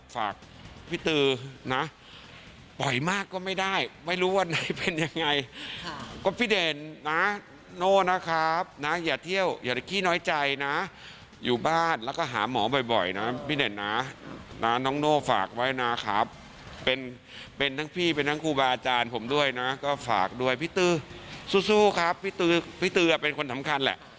ฝากด้วยพี่ตือสู้ครับพี่ตือเป็นคนสำคัญแหละ